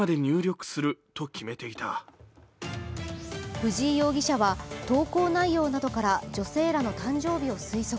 藤井容疑者は投稿内容などから女性らの誕生日を推測。